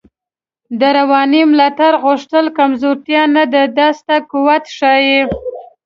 د روانی ملاتړ غوښتل کمزوتیا نده، دا ستا قوت ښایی